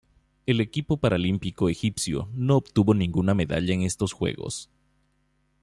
El equipo paralímpico egipcio no obtuvo ninguna medalla en estos Juegos.